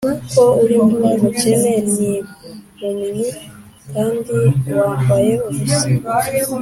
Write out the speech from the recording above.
Ko uri umukene n impumyi a kandi wambaye ubusa